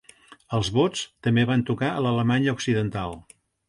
Els Bots també van tocar a l'Alemanya Occidental.